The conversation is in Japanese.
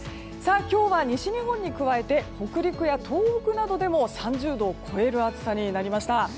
今日は西日本に加えて北陸や東北などでも３０度を超える暑さになりました。